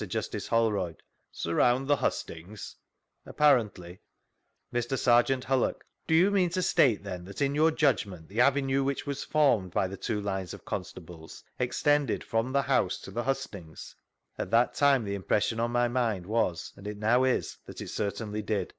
Justice Holroyd: Surround the hustings? —Apparently. Mr. Serjeant Hvllock : Do you mean to state, then, that in your judgment the avenue which was formed by the two lines of constables extended from the house to the hustings ?— At that time the impression on my mind was, and it now is, that it certainly did.